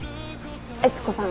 悦子さん。